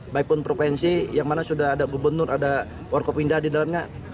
baikpun provinsi yang mana sudah ada gubernur ada warga pindah di dalamnya